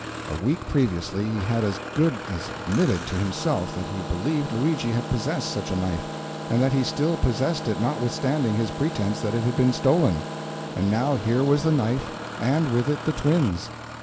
A week previously he had as good as admitted to himself that he believed Luigi had possessed such a knife, and that he still possessed it notwithstanding his pretense that it had been stolen. And now here was the knife, and with it the twins.